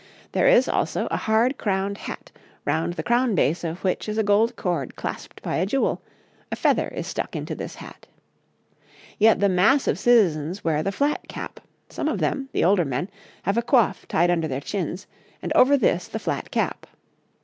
There is, also, a hard crowned hat, round the crown base of which is a gold cord clasped by a jewel; a feather is stuck into this hat. Yet the mass of citizens wear the flat cap, some of them, the older men, have a coif tied under their chins, and over this the flat cap.